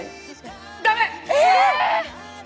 ダメ！